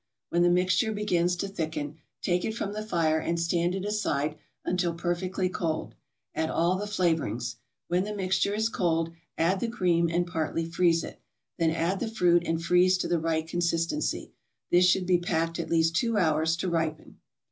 When the mixture begins to thicken, take it from the fire and stand it aside until perfectly cold. Add all the flavorings. When the mixture is cold, add the cream, and partly freeze it; then add the fruit, and freeze to the right consistency. This should be packed at least two hours to ripen.